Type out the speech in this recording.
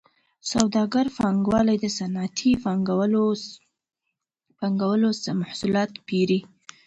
سوداګر پانګوال د صنعتي پانګوالو محصولات پېري